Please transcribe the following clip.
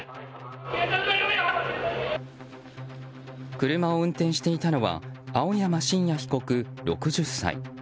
車を運転していたのは青山真也被告、６０歳。